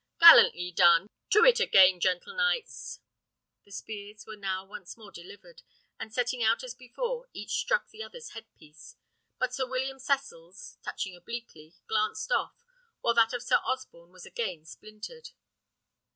"Gallantly done! to it again, gentle knights." The spears were now once more delivered, and setting out as before, each struck the other's head piece; but Sir William Cecil's, touching obliquely, glanced off, while that of Sir Osborne was again splintered.